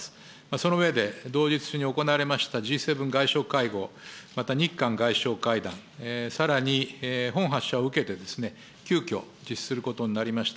その上で、同日中に行われましたＧ７外相会合、また、日韓外相会談、さらに本発射を受けて、急きょ、実施することになりました